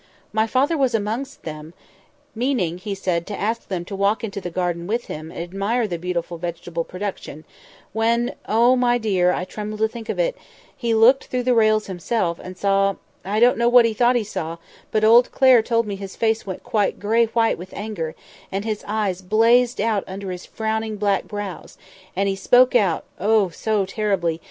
My father was amongst them, meaning, he said, to ask them to walk into the garden with him, and admire the beautiful vegetable production, when—oh, my dear, I tremble to think of it—he looked through the rails himself, and saw—I don't know what he thought he saw, but old Clare told me his face went quite grey white with anger, and his eyes blazed out under his frowning black brows; and he spoke out—oh, so terribly!